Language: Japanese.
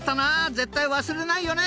絶対忘れないよね！］